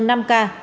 tầng thơ năm ca